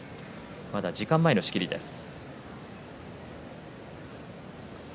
まだ時間前の仕切りです。